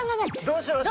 どうしよう！